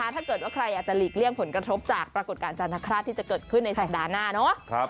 ถ้าเกิดว่าใครอยากจะหลีกเลี่ยงผลกระทบจากปรากฏการณ์จันทราชที่จะเกิดขึ้นในสัปดาห์หน้าเนาะ